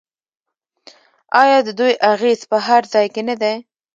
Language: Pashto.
آیا د دوی اغیز په هر ځای کې نه دی؟